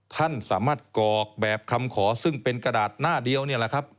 ท่านสามารถกรอกแบบคำขอซึ่งเป็นกระดาษหน้าเดียวนี่แหละครับ